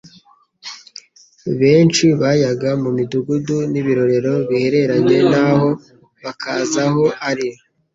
benshi bayaga mu midugudu n'ibirorero bihereranye na ho, bakaza aho ari.